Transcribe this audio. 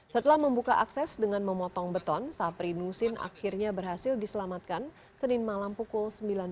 setelah membuka akses dengan memotong beton sapri nusin akhirnya berhasil diselamatkan senin malam pukul sembilan tiga puluh